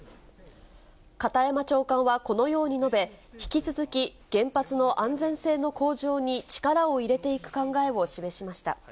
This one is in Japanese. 片山長官はこのように述べ、引き続き原発の安全性の向上に力を入れていく考えを示しました。